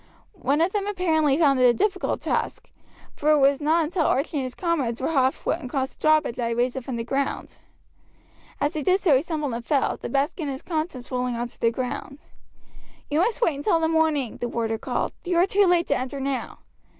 One of them apparently found it a difficult task, for it was not until Archie and his comrades were half across the drawbridge that he raised it from the ground. As he did so he stumbled and fell, the basket and its contents rolling on to the ground. "You must wait until the morning," the warder called; "you are too late to enter now."